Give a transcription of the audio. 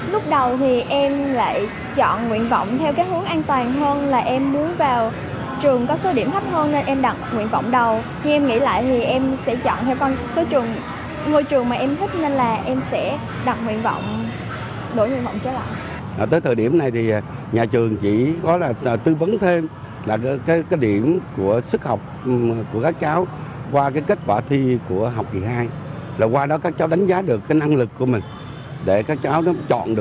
lúc đầu thì em lại chọn nguyện vọng theo cái hướng an toàn hơn là em muốn vào trường có số điểm thấp hơn